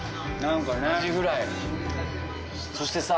そしてさ